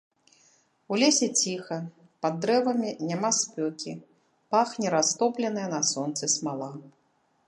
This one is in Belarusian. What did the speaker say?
У лесе ціха, пад дрэвамі няма спёкі, пахне растопленая на сонцы смала.